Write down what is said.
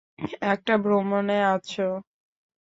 একটা ভ্রমণে আছো।